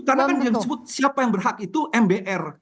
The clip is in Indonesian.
karena kan disebut siapa yang berhak itu mbr